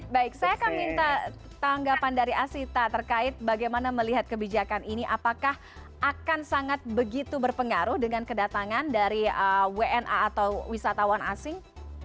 baik saya akan minta tanggapan dari asita terkait bagaimana melihat kebijakan ini apakah akan sangat begitu berpengaruh dengan kedatangan dari wna atau wisatawan asing